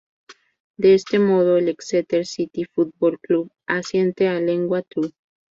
De este modo, el Exeter City Football Club asciende a League Two.